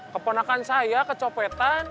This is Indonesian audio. keponakan saya kecopetan